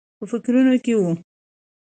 په فکرونو کې و.